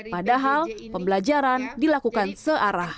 padahal pembelajaran dilakukan searah